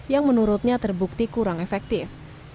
yang menurutnya terbukti kurang efektif